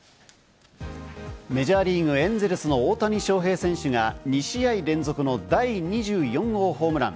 メジャーリーグ・エンゼルスの大谷翔平選手が２試合連続の第２４号ホームラン！